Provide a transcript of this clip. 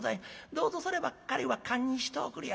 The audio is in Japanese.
「どうぞそればっかりは堪忍しておくれやす」。